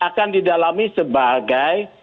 akan didalami sebagai